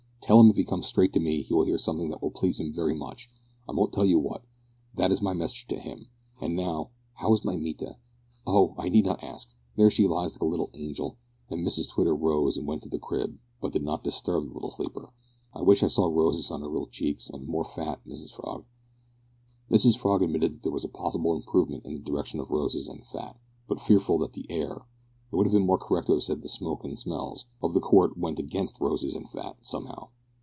Tell him if he comes straight to me he will hear something that will please him very much. I won't tell you what. That is my message to him. And now, how is my Mita? Oh! I need not ask. There she lies like a little angel!" (Mrs Twitter rose and went to the crib, but did not disturb the little sleeper.) "I wish I saw roses on her little cheeks and more fat, Mrs Frog." Mrs Frog admitted that there was possible improvement in the direction of roses and fat, but feared that the air, (it would have been more correct to have said the smoke and smells), of the court went against roses and fat, somehow.